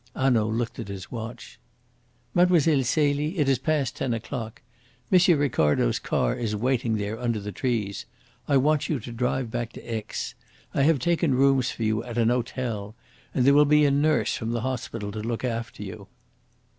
Hanaud looked at his watch. "Mlle. Celie, it is past ten o'clock. M. Ricardo's car is waiting there under the trees. I want you to drive back to Aix. I have taken rooms for you at an hotel, and there will be a nurse from the hospital to look after you."